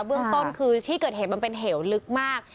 เบื้องต้นคือที่เกิดเหตุมันเป็นเหวลึกมาก